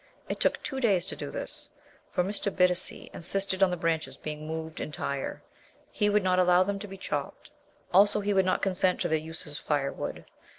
It took two days to do this, for Mr. Bittacy insisted on the branches being moved entire. He would not allow them to be chopped; also, he would not consent to their use as firewood.